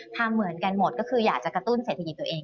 ทำเหมือนกันหมดก็คืออยากจะกระตุ้นเศรษฐกิจตัวเอง